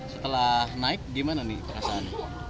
setelah naik gimana nih perasaannya